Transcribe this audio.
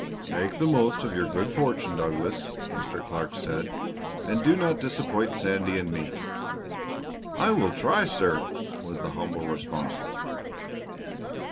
"Make the most of your good fortune, Douglas," Mr. Clark said, "and do not disappoint Sandy and me." "I will try, sir!" was the humble response.